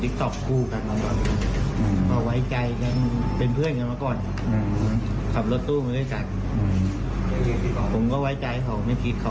ก็ยังไม่เอาออกไปทำเขาขี้แล้วผ้าถ้าเห็นแล้วเผ่า